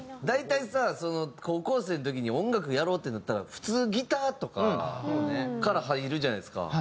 大体さ高校生の時に音楽やろうってなったら普通ギターとかから入るじゃないですか。